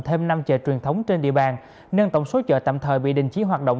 thêm năm chợ truyền thống trên địa bàn nâng tổng số chợ tạm thời bị đình chỉ hoạt động